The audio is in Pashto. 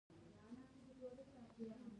بین الایالتي تجارتي کمېسیون واکونه زیات شول.